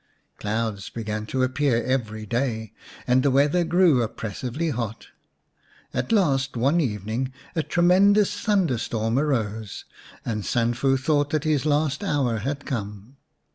Clouds began to appear every day, and the weather grew oppressively hot. At last one evening a tremendous thunderstorm arose, and Sanfu thought that his last hour had come.